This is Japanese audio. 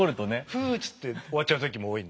「ふぅ」っつって終わっちゃう時も多いんで。